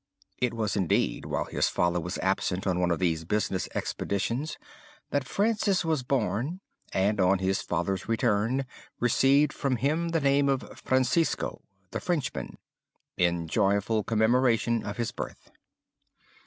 It was indeed while his father was absent on one of these business expeditions that Francis was born and on his father's return received from him the name of Francisco the Frenchman in joyful commemoration of his birth.